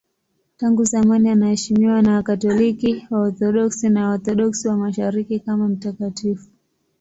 Tangu zamani anaheshimiwa na Wakatoliki, Waorthodoksi na Waorthodoksi wa Mashariki kama mtakatifu.